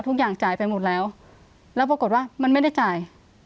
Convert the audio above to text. ทุกอย่างจ่ายไปหมดแล้วแล้วปรากฏว่ามันไม่ได้จ่าย